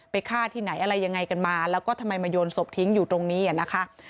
ฆ่าที่ไหนอะไรยังไงกันมาแล้วก็ทำไมมาโยนศพทิ้งอยู่ตรงนี้นะคะ